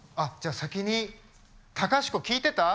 先に隆子聴いてた？